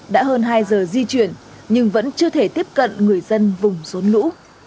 đã hơn hai giờ di chuyển nhưng vẫn chưa thể tiếp cận người dân vùng rốn lũ